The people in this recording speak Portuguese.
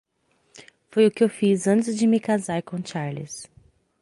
Foi o que eu fiz antes de me casar com o Charles.